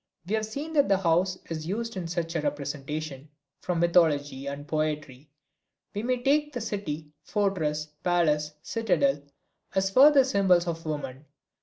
We have seen that the house is used in such a representation; from mythology and poetry we may take the city, fortress, palace, citadel, as further symbols of woman.